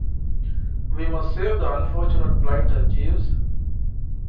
We must save the unfortunate blighter, Jeeves.